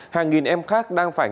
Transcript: hàng nghìn em khác đang phải